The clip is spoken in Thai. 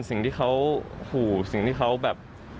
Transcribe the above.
สิ่งที่เขาขู่สิ่งที่เขาแบบ